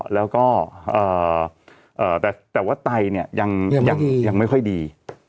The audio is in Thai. แล้วก็แต่ว่าไตเนี่ยยังไม่ค่อยดี